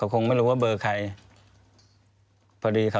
ควิทยาลัยเชียร์สวัสดีครับ